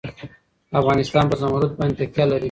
افغانستان په زمرد باندې تکیه لري.